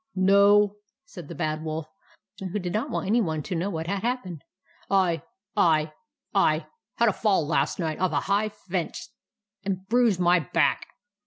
" No," said the Bad Wolf, who did not want any one to know what had happened. "I — I — I — had a fall last night off a high fence, and bruised my back."